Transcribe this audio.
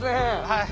はい。